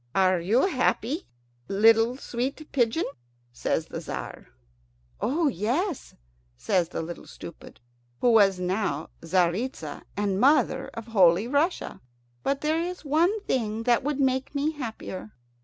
"Are you happy, little sweet pigeon?" says the Tzar. "Oh yes," says the Little Stupid, who was now Tzaritza and mother of Holy Russia; "but there is one thing that would make me happier."